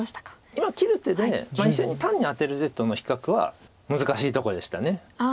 今切る手で２線に単にアテる手との比較は難しいとこでした。